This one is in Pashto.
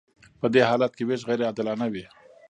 په دې حالت کې ویش غیر عادلانه وي.